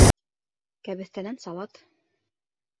Кәбеҫтәнән салат